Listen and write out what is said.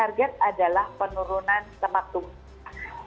yang paling aman adalah penurunan sempat tumbuh